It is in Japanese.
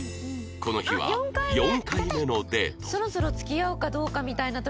この日は４回目のデート